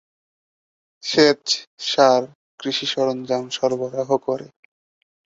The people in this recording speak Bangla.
সেচ, সার, কৃষি সরঞ্জাম সরবরাহ করে।